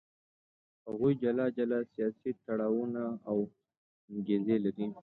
هغوی جلا جلا سیاسي تړاوونه او انګېزې لري.